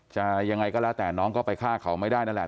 ยังไงก็แล้วแต่น้องก็ไปฆ่าเขาไม่ได้นั่นแหละ